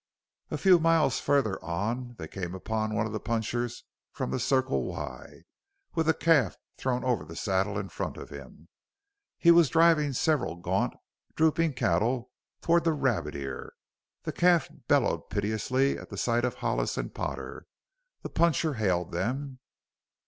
A few miles farther on they came upon one of the punchers from the Circle Y with a calf thrown over the saddle in front of him. He was driving several gaunt, drooping cattle toward the Rabbit Ear. The calf bellowed piteously at sight of Hollis and Potter. The puncher hailed them.